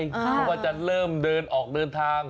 เพราะว่าจะเริ่มเดินออกเดินทาง